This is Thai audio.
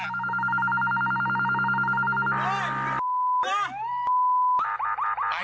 โอ๊ยน่ะ